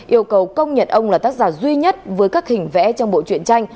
yêu cầu công nhận ông là tác giả duy nhất với các hình vẽ trong bộ chuyện tranh